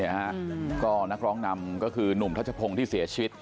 นี่หรอครับนักร้องนำก็คือนุ่มทัชโพงที่เสียชีวิต